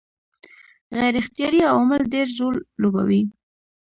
غیر اختیاري عوامل ډېر رول لوبوي.